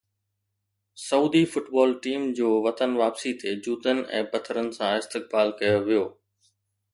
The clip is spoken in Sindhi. سعودي فٽبال ٽيم جو وطن واپسي تي جوتن ۽ پٿرن سان استقبال ڪيو ويو